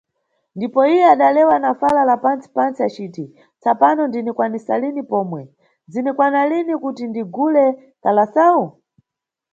Ndipo iye adalewa na fala la pantsi-pantsi aciti, tsapano ndinikwanisa lini pomwe, zini kwana lini kuti ndigule kalasawu?